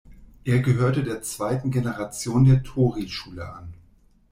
Er gehörte der zweiten Generation der Torii-Schule an.